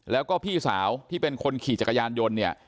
แล้วก็พี่สาวที่เป็นคนขี่จักรยานยนต์เนี่ย